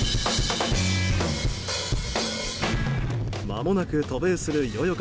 まもなく渡米する、よよ